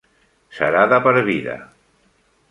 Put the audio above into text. Serà de per vida!